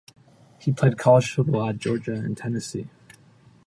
He played college football at Georgia and Tennessee.